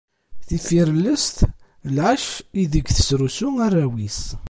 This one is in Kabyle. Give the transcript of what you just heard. Tifirellest, lɛecc ideg tesrusu arraw-is.